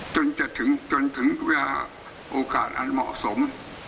จนถึงเวลาโอกาสอำเมาะสม